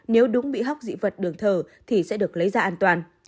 nếu đúng bị hóc dị vật đường thở thì sẽ được lấy ra an toàn